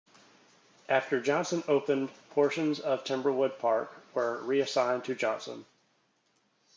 After Johnson opened, portions of Timberwood Park were reassigned to Johnson.